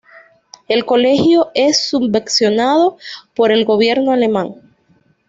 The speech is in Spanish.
El colegio es subvencionado por el Gobierno alemán.